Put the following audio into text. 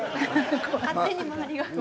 勝手に周りが。